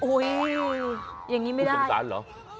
อุ๊ยอย่างนี้ไม่ได้คุณสงสารเหรอ